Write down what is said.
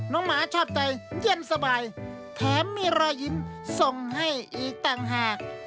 น้องหมาชอบใจเยี่ยนสบายแถมมีรอยยินส่งให้อีกตั้งหาก